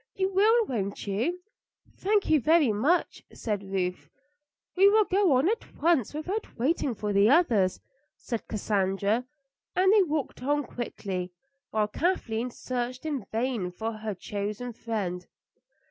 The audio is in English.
You will, won't you?" "Thank you very much," said Ruth. "We will go on at once without waiting for the others," said Cassandra, and they walked on quickly, while Kathleen searched in vain for her chosen friend.